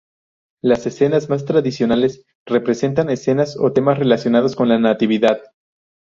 Las escenas más tradicionales representan escenas o temas relacionados con la Natividad.